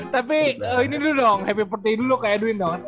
tapi ini dulu dong happy perte dulu kayak edwin dong